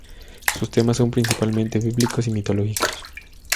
Sus temas son principalmente bíblicos y mitológicos.